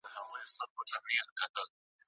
دا پروژه د اوږدمهاله انساني تجربې برخه ده.